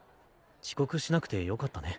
遅刻しなくてよかったね。